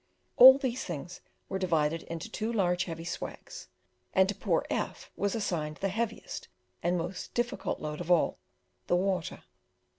All these things were divided into two large heavy "swags," and to poor F was assigned the heaviest and most difficult load of all the water.